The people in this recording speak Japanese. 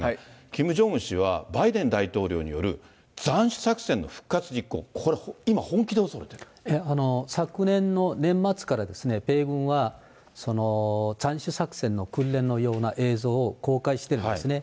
キム・ジョンウン氏は、バイデン大統領による斬首作戦の復活、実昨年の年末から、米軍は斬首作戦の訓練のような映像を公開してるんですね。